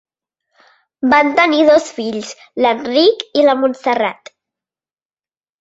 Van tenir dos fills l'Enric i la Montserrat.